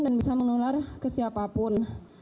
dan bisa menular ke siapapun